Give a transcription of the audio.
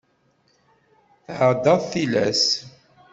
Tɛeddaḍ tilas.